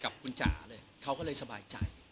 กับคุณจ๋าเลยเขาก็เลยสบายใจ